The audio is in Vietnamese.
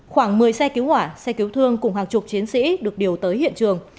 khoảng một mươi xe cứu hỏa xe cứu thương cùng hàng chục chiến sĩ được điều tới hiện trường